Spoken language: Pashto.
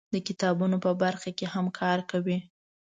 د کتابونو په برخه کې هم کار کوي.